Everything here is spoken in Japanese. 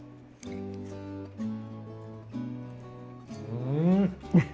うん！